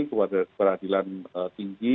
kepada peradilan tinggi